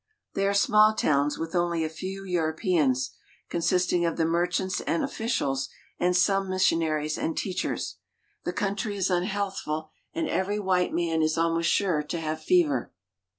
They are small towns, with only a few Europeans, consisting of the merchants and officials, and some missionaries and teachers. The country is unhealth ful, and every white man is almost sure to have fever.